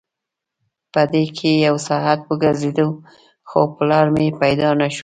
په دې کې یو ساعت وګرځېدو خو پلار مې پیدا نه شو.